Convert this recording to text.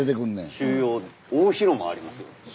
収容大広間あります。